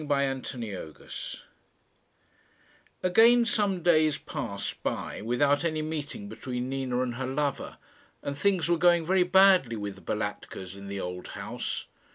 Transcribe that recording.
CHAPTER XII Again some days passed by without any meeting between Nina and her lover, and things were going very badly with the Balatkas in the old house.